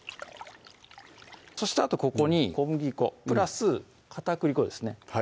そしてあとここに小麦粉プラス片栗粉ですね